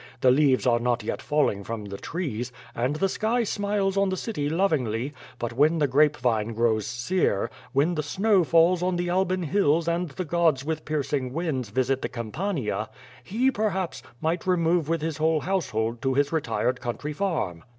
The leaves are not yet falling from the trees, and the sky smiles on the city lovingly, but when the grape vine grows sere, when the snow falls on the\ Alban hills and the gods with piercing winds visit the Campania, he, perhaps, might remove with his whole household to his retired country farm."